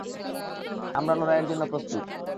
আমরা লড়াইয়ের জন্য প্রস্তুত।